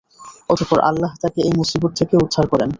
অতঃপর আল্লাহ তাঁকে এ মুসীবত থেকে উদ্ধার করেন।